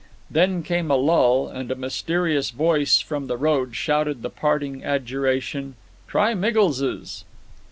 Then came a lull, and a mysterious voice from the road shouted the parting adjuration: "Try Miggles's."